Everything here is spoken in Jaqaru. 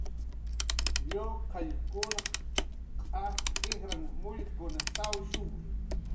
Lluqallkunaq q'aj ijran mullkunw sawshuwi